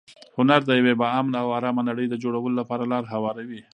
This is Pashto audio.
هنر د یوې با امنه او ارامه نړۍ د جوړولو لپاره لاره هواروي.